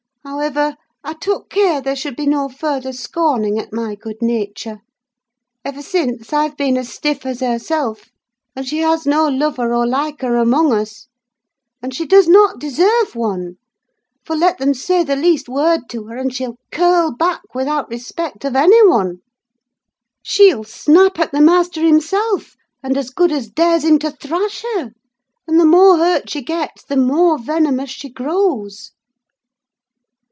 However, I took care there should be no further scorning at my good nature: ever since, I've been as stiff as herself; and she has no lover or liker among us: and she does not deserve one; for, let them say the least word to her, and she'll curl back without respect of any one. She'll snap at the master himself, and as good as dares him to thrash her; and the more hurt she gets, the more venomous she grows."